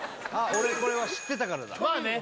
俺これは知ってたからだまあね